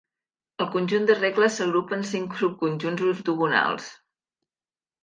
El conjunt de regles s'agrupa en cinc subconjunts ortogonals.